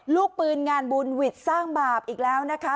ลูกปืนงานบุญหวิดสร้างบาปอีกแล้วนะคะ